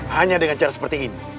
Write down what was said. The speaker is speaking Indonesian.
hanya dengan cara seperti ini